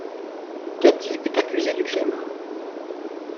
Katy est accusée du crime.